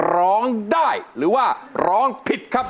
ร้องได้หรือว่าร้องผิดครับ